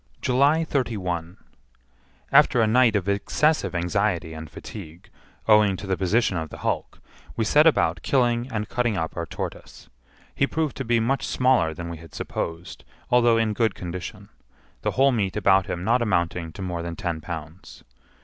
July 31. After a night of excessive anxiety and fatigue, owing to the position of the hulk, we set about killing and cutting up our tortoise. He proved to be much smaller than we had supposed, although in good condition,—the whole meat about him not amounting to more than ten pounds.